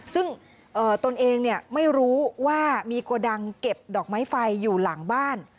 ซึ่งตนเองไม่รู้ว่ามีโกดังเก็บดอกไม้ไฟอยู่หลังบ้าน